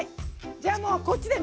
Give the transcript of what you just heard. じゃあもうこっちでね